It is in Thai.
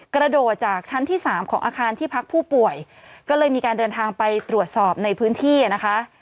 กระโดดจากชั้นที่สามของอาคารที่พักผู้ป่วยก็เลยมีการเดินทางไปตรวจสอบในพื้นที่นะคะ